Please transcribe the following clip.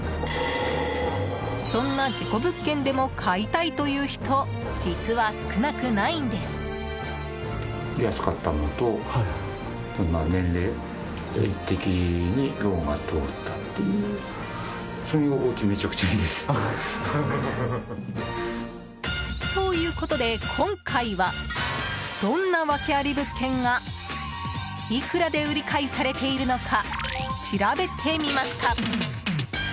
そんな事故物件でも買いたいという人実は少なくないんです！ということで、今回はどんなワケあり物件がいくらで売り買いされているのか調べてみました。